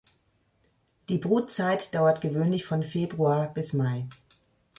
Die Brutzeit dauert gewöhnlich von Februar bis Mai.